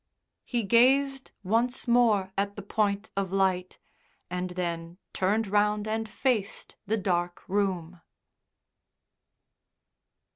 He gazed once more at the point of light, and then turned round and faced the dark room....